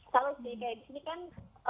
salah sih kayak disini kan